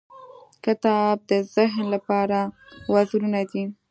• کتاب د ذهن لپاره وزرونه دي.